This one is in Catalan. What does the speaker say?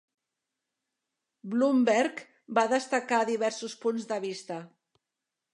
Bloomberg va destacar diversos punts de vista.